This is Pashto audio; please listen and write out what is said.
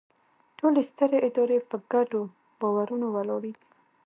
ټولې سترې ادارې په ګډو باورونو ولاړې دي.